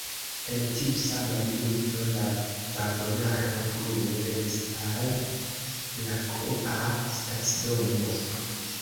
En tiu sama minuto la vagonaro brue venis al la K-a stacidomo.